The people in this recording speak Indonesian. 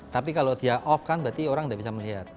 tapi kalau dia off kan berarti orang tidak bisa melihat